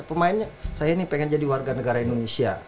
pemainnya saya ini pengen jadi warga negara indonesia